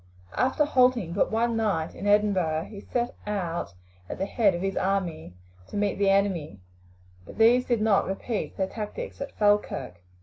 After halting but one night in Edinburgh he set out at the head of his army to meet the enemy; but these did not repeat their tactics at Falkirk.